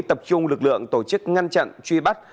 tập trung lực lượng tổ chức ngăn chặn truy bắt